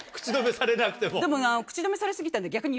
でも口止めされ過ぎたんで。